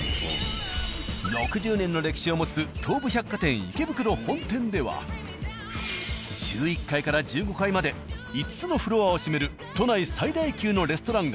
６０年の歴史を持つ東武百貨店池袋本店では１１階１５階まで５つのフロアを占める都内最大級のレストラン街